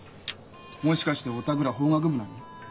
もしかしてお宅ら法学部なの？